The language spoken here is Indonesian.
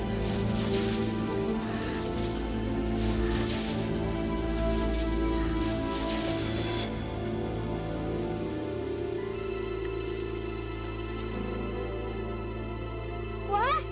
ini pasti dendam aja